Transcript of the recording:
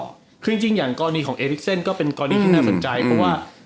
ก็คือจริงอย่างกรณีของเอลิกเซนก็เป็นกรณีที่น่าสนใจเพราะว่า